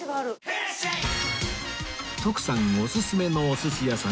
徳さんおすすめのお寿司屋さん